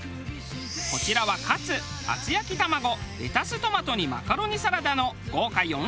こちらはカツ厚焼きタマゴレタストマトにマカロニサラダの豪華４種類。